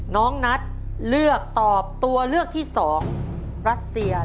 น้องนัทเลือกตอบตัวเลือกที่๒รัสเซีย